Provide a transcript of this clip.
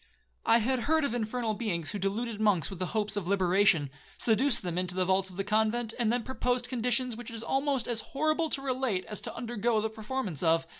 I had heard of infernal beings who deluded monks with the hopes of liberation, seduced them into the vaults of the convent, and then proposed conditions which it is almost as horrible to relate as to undergo the performance of.